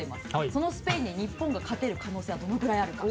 そのスペインに日本が勝てる可能性はどのくらいあるか。